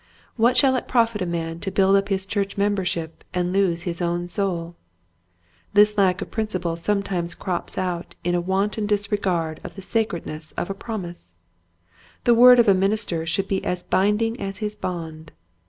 What shall it profit a man to build up his church membership and lose his own soul ? This lack of principle sometimes crops out in a wanton disregard of the sacred ness of a promise. The word of a minis ter should be as binding as his bond.